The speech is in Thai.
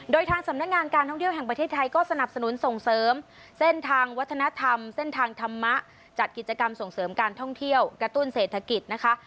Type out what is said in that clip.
โดยทางสำนักงานการท่องเที่ยวแห่งประเทศไทยก็สนับสนุนส่งเสริมเส้นทางวัฒนธรรมเส้นทางธรรมะจัดกิจกรรมส่งเสริมการท่องเที่ยวกระตุ้นเศรษฐกิจนะคะ